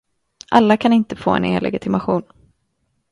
Alla kan inte få en e-legitimation.